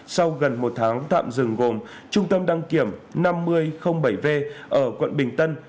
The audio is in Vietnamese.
sau gần một tháng tạm dừng gồm trung tâm đăng kiểm năm mươi bảy v ở quận bình tân